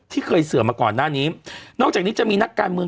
ที่เคยเสื่อมมาก่อนหน้านี้นอกจากนี้จะมีนักการเมือง